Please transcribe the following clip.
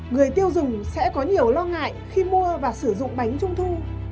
người tiêu dùng sẽ có nhiều lo ngại khi mua và sử dụng bánh trung thu